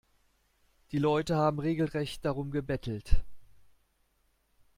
Die Leute haben regelrecht darum gebettelt.